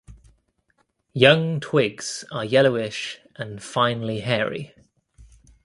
Young twigs are yellowish and finely hairy.